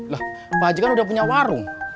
loh pak haji kan udah punya warung